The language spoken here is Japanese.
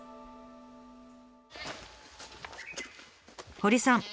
堀さん